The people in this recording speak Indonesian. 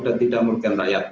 dan tidak memerlukan rakyat